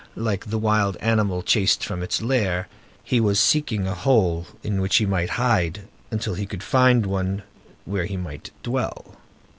Like the wild animal chased from its lair, he was seeking a hole in which he might hide until he could find one where he might dwell.